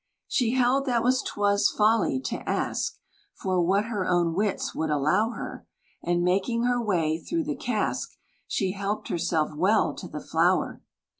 She held that 'twas folly to ask For what her own wits would allow her; And, making her way through the cask, She helped herself well to the flour.